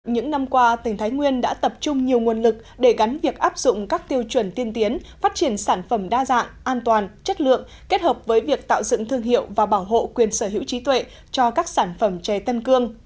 những năm qua tỉnh thái nguyên đã tập trung nhiều nguồn lực để gắn việc áp dụng các tiêu chuẩn tiên tiến phát triển sản phẩm đa dạng an toàn chất lượng kết hợp với việc tạo dựng thương hiệu và bảo hộ quyền sở hữu trí tuệ cho các sản phẩm chè tân cương